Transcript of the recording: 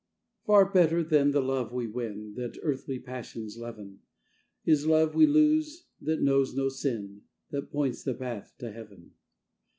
Far better than the love we win, That earthly passions leaven, Is love we lose, that knows no sin, That points the path to Heaven.